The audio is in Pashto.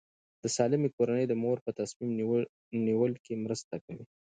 د سالمې کورنۍ د مور په تصمیم نیول کې مرسته کوي.